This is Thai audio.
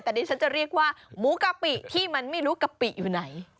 แต่ดิฉันจะเรียกว่าหมูกะปิที่มันไม่รู้กะปิอยู่ไหน